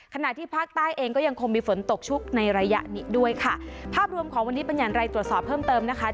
ขณะที่ภาคใต้เองก็ยังคงมีฝนตกชุกในระยะนี้ด้วยค่ะภาพรวมของวันนี้เป็นอย่างไรตรวจสอบเพิ่มเติมนะคะ